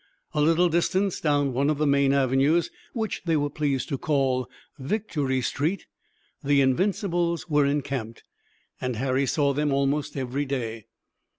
A little distance down one of the main avenues, which they were pleased to call Victory Street, the Invincibles were encamped, and Harry saw them almost every day.